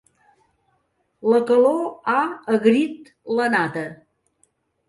La calor ha agrit la nata.